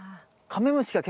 カメムシが。